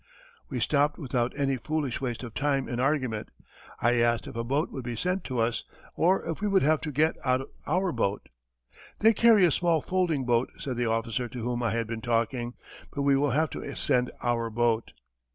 We stopped without any foolish waste of time in argument. I asked if a boat would be sent to us, or if we would have to get out our boat. "They carry a small folding boat," said the officer to whom I had been talking, "but we will have to send our boat."